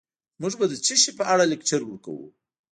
موږ به د څه شي په اړه لکچر ورکوو